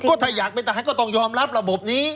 ก็ถ้าอยากเป็นทหารก็ต้องยอมรับระบบนี้